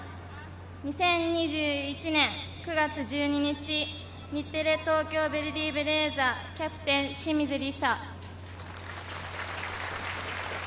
２０２１年９月１２日、日テレ・東京ヴェルディベレーザキャプテン・清水梨紗。